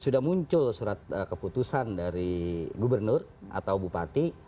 sudah muncul surat keputusan dari gubernur atau bupati